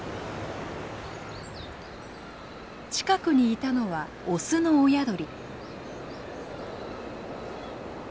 近くにいたのは雄の親鳥。